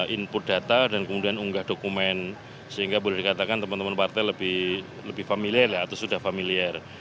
input data dan kemudian unggah dokumen sehingga boleh dikatakan teman teman partai lebih familiar atau sudah familiar